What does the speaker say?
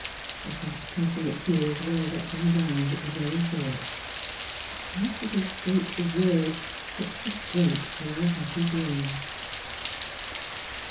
The hot passionate tears welled up to his eyes at the very thought. How should he shajoe the words thac should break her happy dream